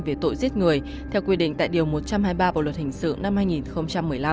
về tội giết người theo quy định tại điều một trăm hai mươi ba bộ luật hình sự năm hai nghìn một mươi năm